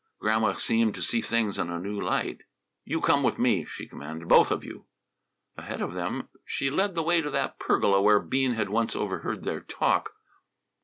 Grandma seemed to see things in a new light. "You come with me," she commanded; "both of you." Ahead of them she led the way to that pergola where Bean had once overheard their talk.